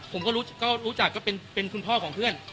ผมก็รู้จักก็เป็นคุณพ่อของเพื่อน